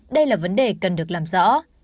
đây là vấn đề cần được làm rõ